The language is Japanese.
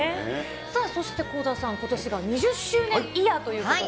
さあそして倖田さん、ことしが２０周年イヤーということで。